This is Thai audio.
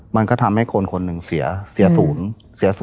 มันก็ทำให้คนคนหนึ่งเสียสูญ